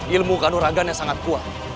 ilmu kanoragan yang sangat kuat